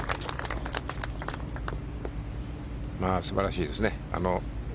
素晴らしいですね。